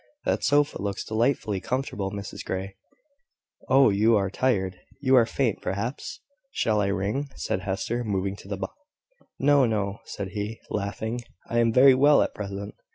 That sofa looks delightfully comfortable, Mrs Grey." "Oh, you are tired; you are faint, perhaps?" "Shall I ring?" said Hester, moving to the bell. "No, no," said he, laughing; "I am very well at present.